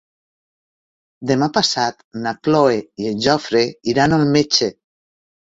Demà passat na Cloè i en Jofre iran al metge.